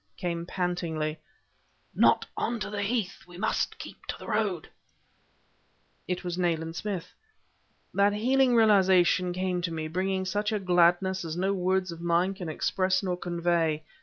came pantingly. "Not on to the Heath... we must keep to the roads..." It was Nayland Smith. That healing realization came to me, bringing such a gladness as no words of mine can express nor convey.